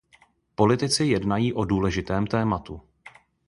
Politici jednají o důležitém tématu.